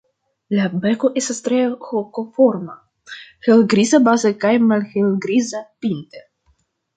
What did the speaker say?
La beko estas tre hokoforma, helgriza baze kaj malhelgriza pinte.